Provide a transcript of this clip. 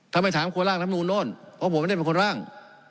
ทำไมถามครัวร่างทำนู่นนนเพราะผมไม่ได้เป็นคนร่าง